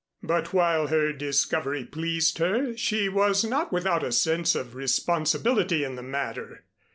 But while her discovery pleased her, she was not without a sense of responsibility in the matter.